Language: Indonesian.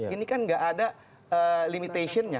ini kan nggak ada limitation nya